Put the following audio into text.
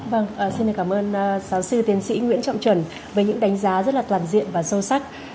vâng xin cảm ơn giáo sư tiến sĩ nguyễn trọng chuẩn với những đánh giá rất là toàn diện và sâu sắc